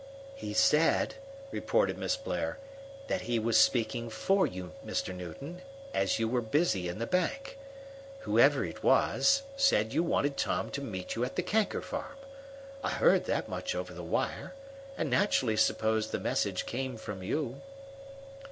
"He said," reported Miss Blair, "that he was speaking for you, Mr. Newton, as you were busy in the bank. Whoever it was, said you wanted Tom to meet you at the Kanker farm. I heard that much over the wire, and naturally supposed the message came from you."